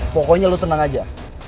pokoknya lo tenang aja